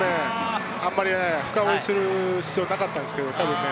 あんまり深掘りする必要なかったんですけどね。